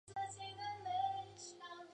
此用法起源于漳州话。